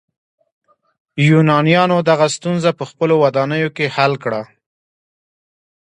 یونانیانو دغه ستونزه په خپلو ودانیو کې حل کړه.